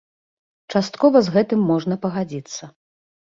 Часткова з гэтым можна пагадзіцца.